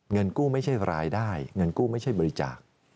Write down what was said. เงินกู้ไม่ใช่รายได้เงินกู้ไม่ใช่บริจาค